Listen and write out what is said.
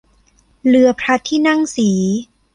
เรือพระที่นั่งศรี